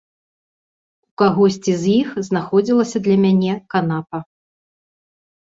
У кагосьці з іх знаходзілася для мяне канапа.